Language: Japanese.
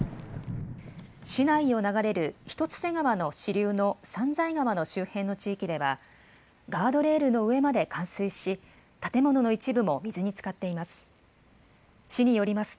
市内を流れる一ツ瀬川の支流の三財川の周辺の地域では、ガードレールの上まで冠水し、建物の一部も水につかっています。